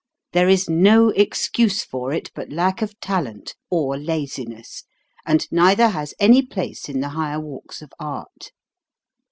There is no excuse for it but lack of talent, or laziness ; and neither has any place in the higher walks of art.